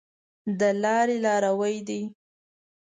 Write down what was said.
د لاري لاروی دی .